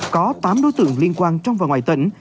có tám đối tượng liên quan trong và ngoài tỉnh